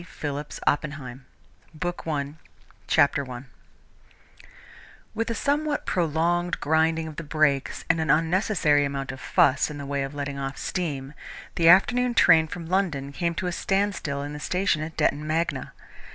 PHILLIPS OPPENHEIM 1917 BOOK I CHAPTER I With a somewhat prolonged grinding of the brakes and an unnecessary amount of fuss in the way of letting off steam, the afternoon train from London came to a standstill in the station at Detton Magna.